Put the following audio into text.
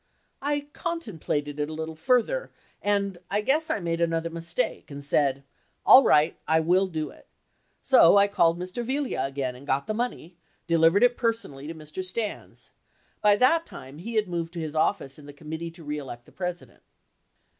I contemplated it a little further, and I guess I made another mistake and said, "All right, I will do it." So I called Mr. Yiglia again and got the money, delivered it personally to Mr. Stans. By that time, he had moved to his office in the Committee To Re Elect the President.